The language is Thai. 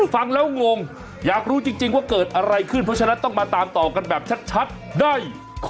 ฟังแล้วงงอยากรู้จริงว่าเกิดอะไรขึ้นเพราะฉะนั้นต้องมาตามต่อกันแบบชัดได้